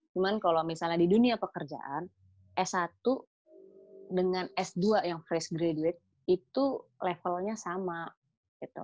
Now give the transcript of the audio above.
cuman kalau misalnya di dunia pekerjaan s satu dengan s dua yang fresh graduate itu levelnya sama gitu